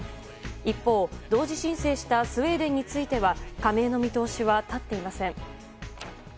一方、同時申請したスウェーデンについては加盟の見通しは立っていません。